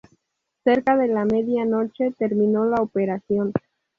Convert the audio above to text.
Cerca de la medianoche terminó la operación.